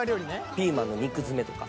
ピーマンの肉詰めとか。